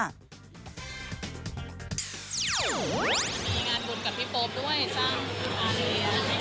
มีงานบุญกับพี่โป๊ปด้วยสร้างอาคารเรียน